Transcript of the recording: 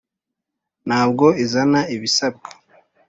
ntabwo izana ibisabwa